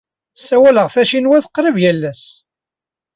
Ssawaleɣ tacinwat qrib yal ass.